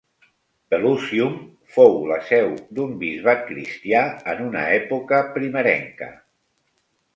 Pelusium fou la seu d'un bisbat cristià en una època primerenca.